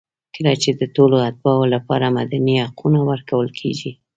کله چې د ټولو اتباعو لپاره مدني حقونه ورکول کېږي.